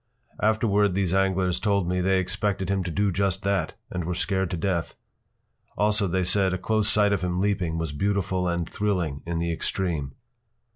Afterward these anglers told me they expected him to do just that and were scared to death. Also they said a close sight of him leaping was beautiful and thrilling in the extreme.